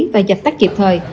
và giặt tắt kịp thời